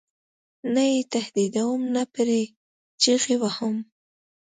نه یې تهدیدوم نه پرې چغې وهم.